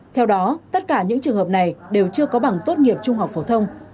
theo đó tất cả những trường hợp này đều chưa có bằng tốt nghiệp trung học phổ thông